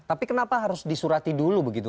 tapi kenapa harus disurati dulu begitu